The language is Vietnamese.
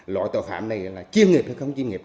loại tội phạm này là chuyên nghiệp hay không chuyên nghiệp